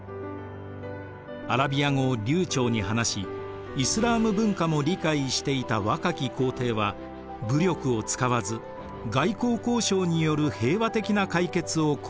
アラビア語を流ちょうに話しイスラーム文化も理解していた若き皇帝は武力を使わず外交交渉による平和的な解決を試みました。